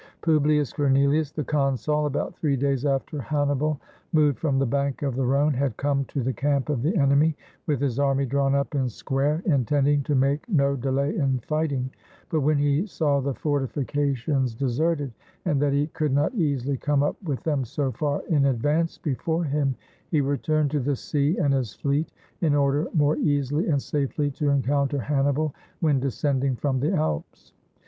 Pubhus CorneHus the consul, about three days after Hannibal moved from the bank of the Rhone, had come to the camp of the enemy, with his army drawn up in square, intending to make no delay in fighting: but when he saw the fortifications deserted, and that he could not easily come up with them so far in advance before him, he returned to the sea and his fleet, in order more easily and safely to encounter Hannibal when descending from the Alps.